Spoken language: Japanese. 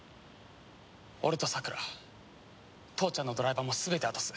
俺とさくら父ちゃんのドライバーも全て渡す。